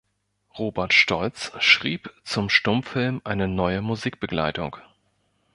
Robert Stolz schrieb zum Stummfilm eine neue Musikbegleitung.